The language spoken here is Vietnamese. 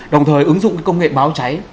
đồng thời ứng dụng công nghệ báo cháy